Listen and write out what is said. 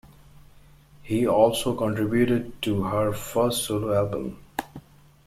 He also contributed to her first solo album.